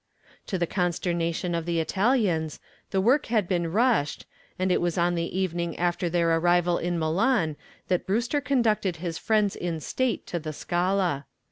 To the consternation of the Italians, the work had been rushed, and it was on the evening after their arrival in Milan that Brewster conducted his friends in state to the Scala.